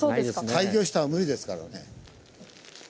開業したら無理ですからね。